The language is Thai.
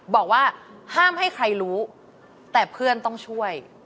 บอกว่าห้ามให้ใครรู้แต่เพื่อนต้องช่วย